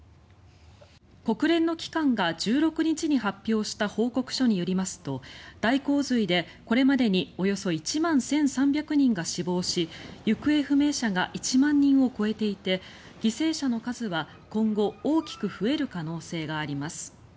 国連の機関が１６日に発表した報告書によりますと大洪水で、これまでにおよそ１万１３００人が死亡し行方不明者が１万人を超えていて犠牲者の数は今後、大きく増える可能性があります。